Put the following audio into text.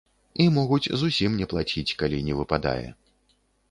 І могуць зусім не плаціць, калі не выпадае.